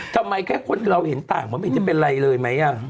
ทำไมแค่คนที่เราเห็นต่างมันจะเป็นอะไรเลยไหม